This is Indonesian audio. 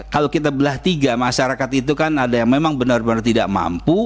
kalau kita belah tiga masyarakat itu kan ada yang memang benar benar tidak mampu